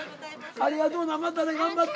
ありがとうなまたね頑張って。